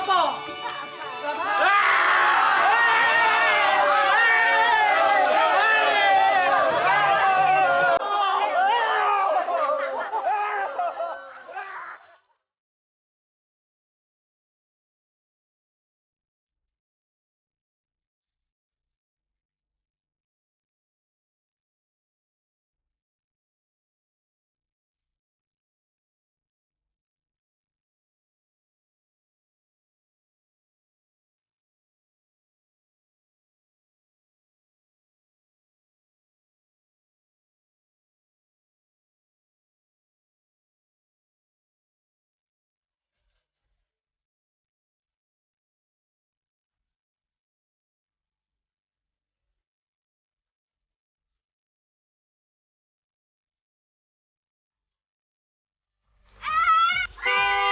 yang nyetrum sabto